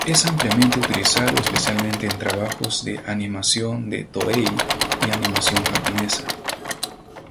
Es ampliamente utilizado especialmente en trabajos de animación de Toei y animación japonesa.